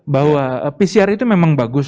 bahwa pcr itu memang bagus